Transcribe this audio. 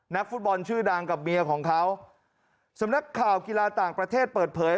นักฟุตบอลชื่อดังกับเมียของเขาสำนักข่าวกีฬาต่างประเทศเปิดเผย